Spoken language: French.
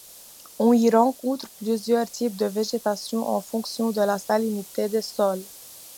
On y rencontre plusieurs types de végétations en fonction de la salinité des sols.